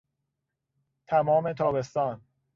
تمام تابستان